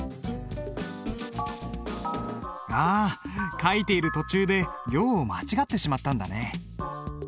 あ書いている途中で行を間違ってしまったんだね。